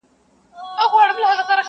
• پوهنتون د میني ولوله بس یاره,